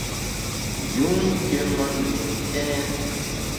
Yun nké ma ndun ntèn.